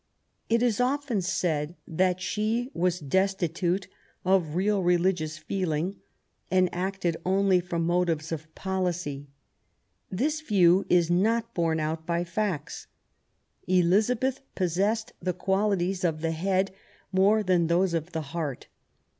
It is often said that she was destitute of real religious feeling, and acted only from motives of policy. This view is not borne out by facts. Elizabeth possessed the qualities of the head more than those of THE NEW ENGLAND, 263 the heart.